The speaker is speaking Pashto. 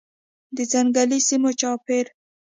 د ځنګلي سیمو چاپیر